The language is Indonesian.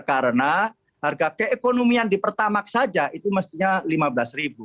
karena harga keekonomian di pertamak saja itu mestinya rp lima belas